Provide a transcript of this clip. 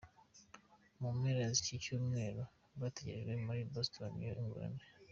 Mu mpera z’iki cyumweru bategerejwe muri Boston New England.